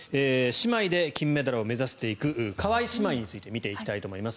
姉妹で金メダルを目指していく川井姉妹について見ていきたいと思います。